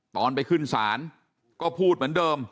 ตอนไปขึ้นศาลก็พูดเหมือนเดิม